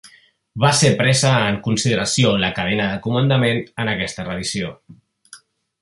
Va ser presa en consideració la cadena de comandament en aquesta revisió.